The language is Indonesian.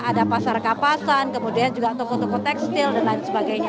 ada pasar kapasan kemudian juga toko toko tekstil dan lain sebagainya